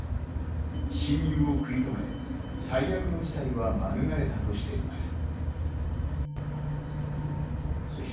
侵入を食い止め最悪の事態は免れたとしています。